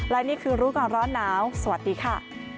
และนี่คือรู้ก่อนร้อนหนาวสวัสดีค่ะ